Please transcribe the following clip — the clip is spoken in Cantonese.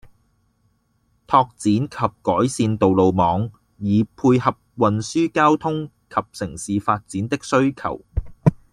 擴展及改善道路網，以配合運輸交通及城市發展的需求